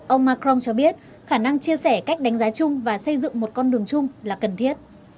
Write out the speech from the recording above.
ông macron cho biết khả năng chia sẻ cách đánh giá chung và xây dựng một con đường chung là cần thiết